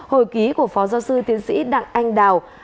hồi ký của phó giáo sư tiến sĩ đặng anh đào